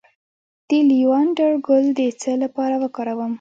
د لیوانډر ګل د څه لپاره وکاروم؟